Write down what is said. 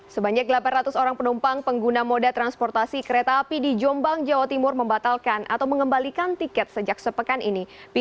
sebanyak delapan ratus orang penumpang pengguna moda transportasi kereta api di jombang jawa timur membatalkan atau mengembalikan tiket sejak sepekan ini